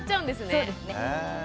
そうですね。